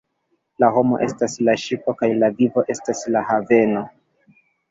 La homo estas la ŝipo kaj la vivo estas la haveno.